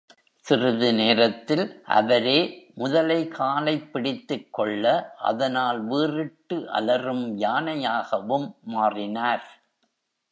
சிறிது நேரத்தில் அவரே முதலை காலைப் பிடித்துக்கொள்ள அதனால் வீறிட்டு அலறும் யானையாகவும் மாறினார்.